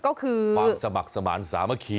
ก็คือความสมัครสมาธิสามัคคี